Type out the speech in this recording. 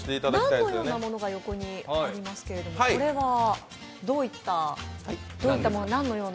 ナンのようなものが横にありますけど、これはどういった？